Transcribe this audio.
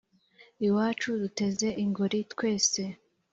Iwacu duteze ingori twese.-